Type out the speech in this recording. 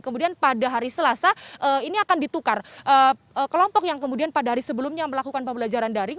kemudian pada hari selasa ini akan ditukar kelompok yang kemudian pada hari sebelumnya melakukan pembelajaran daring